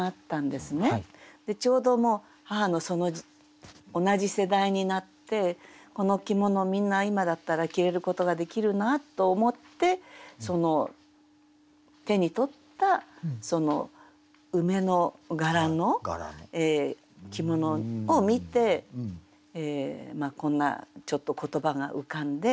ちょうど母の同じ世代になってこの着物みんな今だったら着れることができるなと思って手に取ったその梅の柄の着物を見てこんなちょっと言葉が浮かんで。